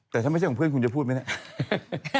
แต่ถ้าไม่ใช่ของเพื่อนคุณจะพูดไหมเนี่ย